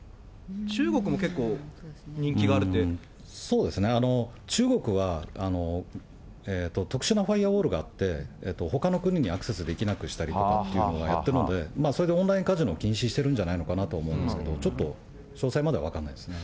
中国も結構、そうですね、中国は特殊なファイヤーウォールがあって、ほかの国にアクセスできなくしたりしたとかいうのをやってるので、それでオンラインカジノを禁止してるんじゃないかと思うんですけど、ちょっと詳細までは分からないですね。